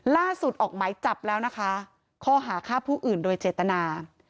ออกหมายจับแล้วนะคะข้อหาฆ่าผู้อื่นโดยเจตนา